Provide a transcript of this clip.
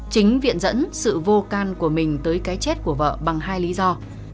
chính viện dẫn sự vô can của mình tới cái chết của vợ bằng hai lý do